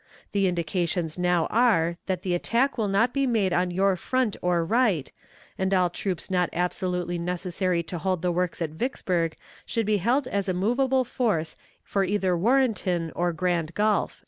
The indications now are that the attack will not be made on your front or right, and all troops not absolutely necessary to hold the works at Vicksburg should be held as a movable force for either Warrenton or Grand Gulf."